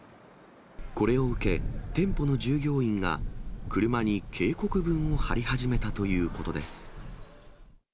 これを受け、店舗の従業員が車に警告文を貼り始めたということです。